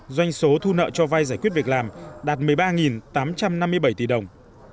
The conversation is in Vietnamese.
doanh số thu nợ cho vai giải quyết việc làm đạt một mươi ba tám trăm năm mươi bảy tỷ đồng